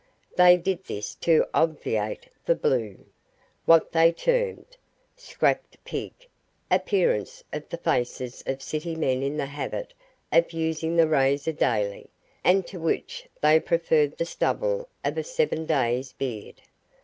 They did this to obviate the blue what they termed "scraped pig" appearance of the faces of city men in the habit of using the razor daily, and to which they preferred the stubble of a seven days' beard.